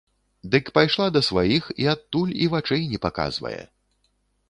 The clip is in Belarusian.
Дык пайшла да сваіх і адтуль і вачэй не паказвае.